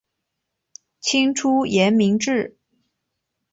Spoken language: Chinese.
清初沿明制。